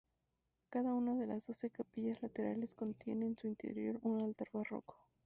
Cada una de las doce capillas laterales contiene en su interior un altar barroco.